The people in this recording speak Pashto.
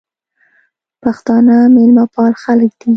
پښتانه مېلمپال خلک دي.